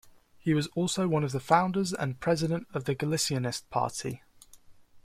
He was also one of the founders and president of the Galicianist Party.